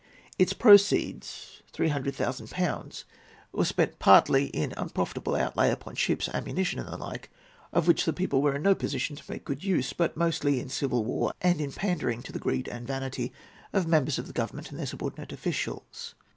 Its proceeds, 300,000£, were spent partly in unprofitable outlay upon ships, ammunition, and the like, of which the people were in no position to make good use, but mostly in civil war and in pandering to the greed and vanity of the members of the Government and their subordinate officials.